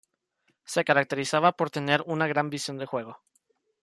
Se caracterizaba por tener una gran visión de juego.